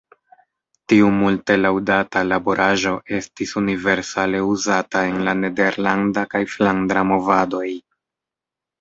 Tiu multe laŭdata laboraĵo estis universale uzata en la nederlanda kaj flandra movadoj.